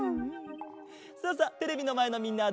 さあさあテレビのまえのみんなはどうかな？